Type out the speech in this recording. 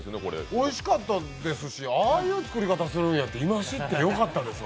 おいしかったですしああいう作り方するんやって今、知ってよかったです。